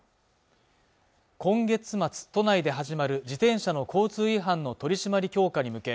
今月末都内で始まる自転車の交通違反の取り締まり強化に向け